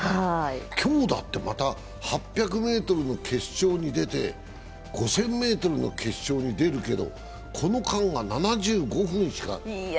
今日だってまた８００ｍの決勝に出て５０００ｍの決勝に出るけど、この間が７５分しか。